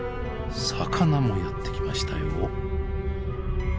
魚もやって来ましたよ。